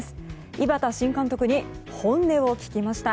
井端新監督に本音を聞きました。